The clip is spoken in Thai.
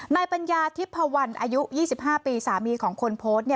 ปัญญาทิพพวันอายุ๒๕ปีสามีของคนโพสต์